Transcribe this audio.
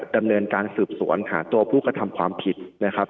ดำเนินการสืบสวนหาตัวผู้กระทำความผิดนะครับ